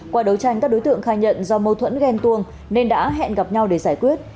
qua đấu tranh các đối tượng khai nhận do mâu thuẫn ghen tuông nên đã hẹn gặp nhau để giải quyết